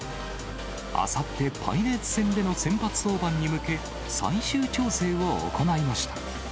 あさってパイレーツ戦での先発登板に向け、最終調整を行いました。